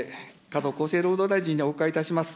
加藤厚生労働大臣にお伺いいたします。